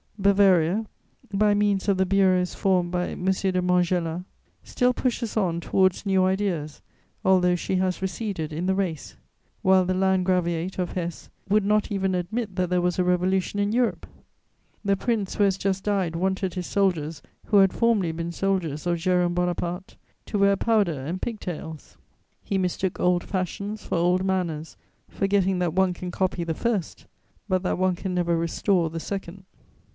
Bavaria, by means of the bureaus formed by M. de Montgelas, still pushes on towards new ideas, although she has receded in the race, while the Landgraviate of Hesse would not even admit that there was a revolution in Europe. The Prince who has just died wanted his soldiers, who had formerly been soldiers of Jerome Bonaparte, to wear powder and pig tails: he mistook old fashions for old manners, forgetting that one can copy the first, but that one can never restore the second."